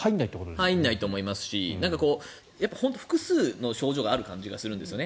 入らないと思いますし複数の症状がある感じがするんですよね。